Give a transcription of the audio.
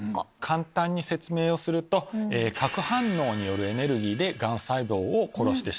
簡単に説明をすると核反応によるエネルギーでがん細胞を殺してしまう。